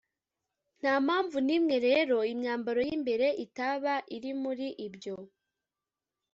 nta mpamvu n’imwe rero imyambaro y’imbere itaba iri muri ibyo